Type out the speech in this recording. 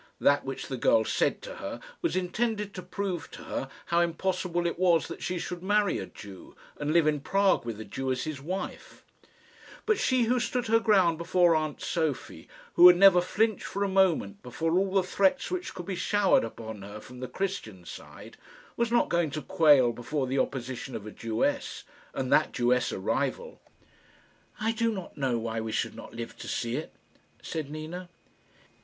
That which the girl said to her was intended to prove to her how impossible it was that she should marry a Jew, and live in Prague with a Jew as his wife; but she, who stood her ground before aunt Sophie, who had never flinched for a moment before all the threats which could be showered upon her from the Christian side, was not going to quail before the opposition of a Jewess, and that Jewess a rival! "I do not know why we should not live to see it," said Nina.